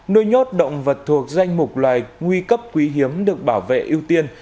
nuôi nhốt động vật thuộc danh mục loài nguy cấp quý hiếm được bảo vệ ưu tiên